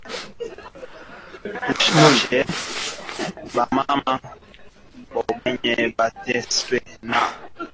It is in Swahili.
Tushache ba mama bo benyewe bateswe na kurima